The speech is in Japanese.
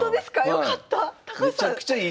よかった！